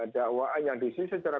dakwa yang disitu secara